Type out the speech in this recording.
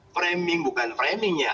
framing bukan framingnya